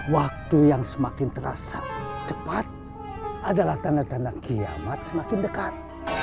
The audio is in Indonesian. waktu yang semakin terasa cepat adalah tanda tanda kiamat semakin dekat